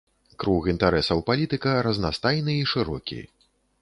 Круг інтарэсаў палітыка разнастайны і шырокі.